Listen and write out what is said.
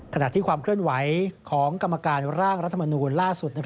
ขณะที่ความเคลื่อนไหวของกรรมการร่างรัฐมนูลล่าสุด